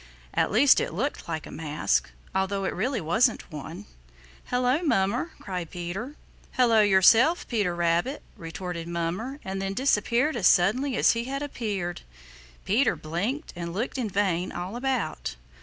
At least it looked like a mask, although it really wasn't one. "Hello, Mummer!" cried Peter. "Hello yourself, Peter Rabbit!" retorted Mummer and then disappeared as suddenly as he had appeared. Peter blinked and looked in vain all about.